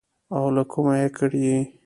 او له کومه يې کړې.